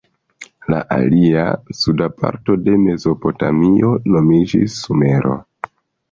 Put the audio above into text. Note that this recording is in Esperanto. La alia, suda parto de Mezopotamio nomiĝis Sumero.